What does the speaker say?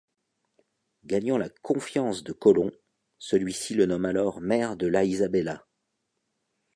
Gagnant la confiance de Colomb, celui-ci le nomme alors Maire de La Isabela.